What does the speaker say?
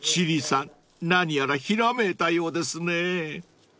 何やらひらめいたようですね］